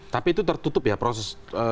tapi itu tertutup ya proses